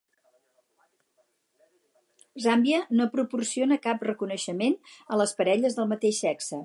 Zàmbia no proporciona cap reconeixement a parelles del mateix sexe.